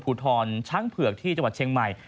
ภูทรช้างเผือกที่จังหวัดเชียงใหม่